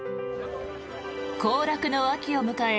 行楽の秋を迎え